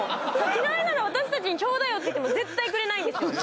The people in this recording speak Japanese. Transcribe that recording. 嫌いなら私たちにちょうだいよって言っても絶対くれない。